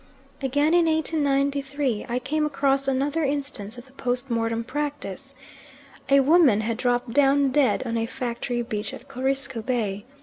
Again in 1893 I came across another instance of the post mortem practice. A woman had dropped down dead on a factory beach at Corisco Bay.